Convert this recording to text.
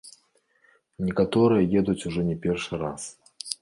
Некаторыя едуць ужо не першы раз.